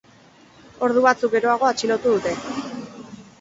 Ordu batzuk geroago atxilotu dute.